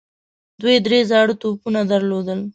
دوی درې زاړه توپونه درلودل.